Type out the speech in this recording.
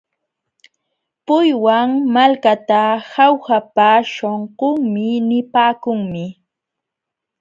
Puywan malkata Jaujapa śhunqunmi nipaakunmi.